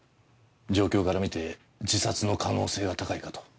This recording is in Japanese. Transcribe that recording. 状況から見て自殺の可能性が高いかと。